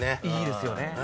いいですよね。